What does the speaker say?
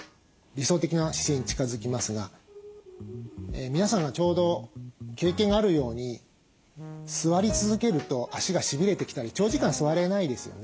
理想的な姿勢に近づきますが皆さんがちょうど経験があるように座り続けると脚がしびれてきたり長時間座れないですよね。